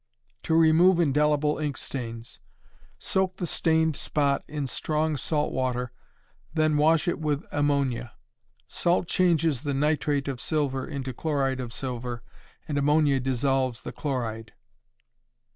To Remove Indelible Ink Stains. Soak the stained spot in strong salt water, then wash it with ammonia. Salt changes the nitrate of silver into chloride of silver, and ammonia dissolves the chloride.